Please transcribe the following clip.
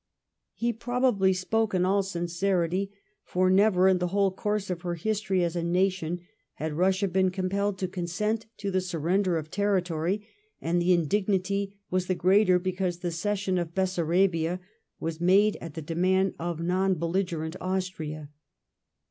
He probably spoke in all sincerity, for never in the whole course of her history as a nation had Bussia been compelled to consent to the surrender of territory; and the indignity was the greater because the cession of Bessarabia was made at the demand of non belligerent Austria.